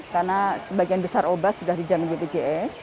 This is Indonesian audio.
karena sebagian besar obat sudah dijamin oleh bpjs